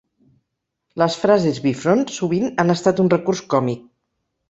Les frases bifront sovint han estat un recurs còmic.